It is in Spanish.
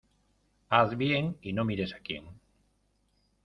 Haz bien y no mires a quien.